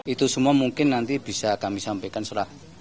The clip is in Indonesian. itu semua mungkin nanti bisa kami sampaikan setelah